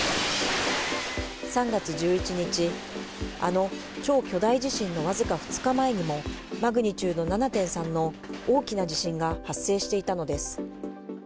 ３月１１日、あの超巨大地震のわずか２日前にもマグニチュード７．３の大きな地震が発生していたのです。